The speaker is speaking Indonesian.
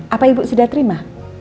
apa ibu sudah terima